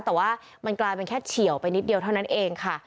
แต่ว่ามันกลายเป็นแค่เฉียวไปนิดเดียวเท่านั้นเองค่ะ